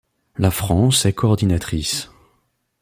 La France est coordinatrice.